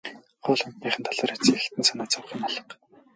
Хоол ундных нь талаар эцэг эхэд нь санаа зовох юм алга.